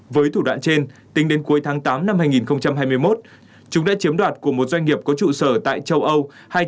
với thủ đoạn trên tính đến cuối tháng tám năm hai nghìn hai mươi một chúng đã chiếm đoạt của một doanh nghiệp có trụ sở tại châu âu